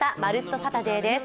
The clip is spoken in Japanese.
サタデー」です。